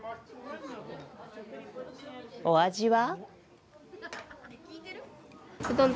お味は？